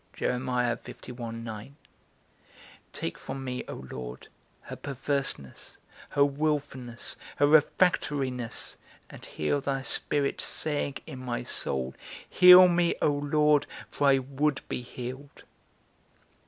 _ Take from me, O Lord, her perverseness, her wilfulness, her refractoriness, and hear thy Spirit saying in my soul: Heal me, O Lord, for I would be healed.